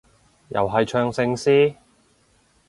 又係唱聖詩？